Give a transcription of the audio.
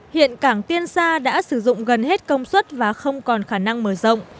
hiện cảng tiên sa đã sử dụng gần hết công suất và không còn khả năng mở rộng